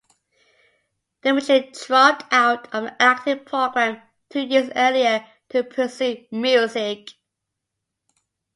Dimitri dropped out of the acting program two years earlier to pursue music.